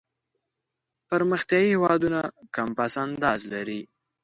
پرمختیایي هېوادونه کم پس انداز لري.